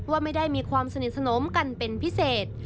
ว่าไม่ได้มีความสนิทสนมกันเป็นพิเศษ